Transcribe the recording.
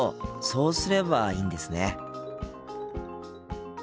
そうすればいいんですね。